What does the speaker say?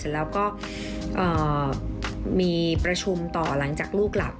แล้วก็มีประชุมต่อหลังจากลูกหลับ